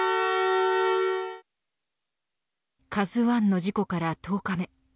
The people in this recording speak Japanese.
ＫＡＺＵ１の事故から１０日目。